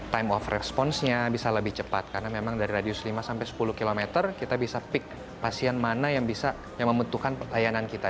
timewave responsenya bisa lebih cepat karena memang dari radius lima sampai sepuluh km kita bisa pick pasien mana yang bisa yang membutuhkan layanan kita